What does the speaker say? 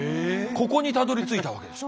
ここにたどりついたわけです。